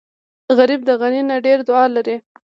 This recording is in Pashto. غریب د غني نه ډېره دعا لري